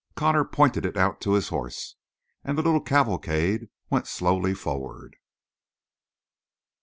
Connor pointed it out to his horse, and the little cavalcade went slowly forward.